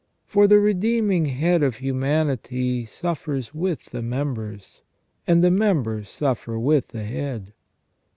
For the redeeming Head of humanity suffers with the members, and the members suffer with the Head.